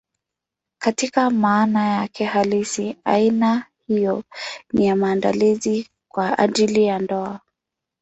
Katika maana yake halisi, aina hiyo ni ya maandalizi kwa ajili ya ndoa.